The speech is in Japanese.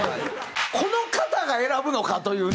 この方が選ぶのか！というね。